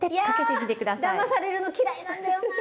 いやだまされるの嫌いなんだよな。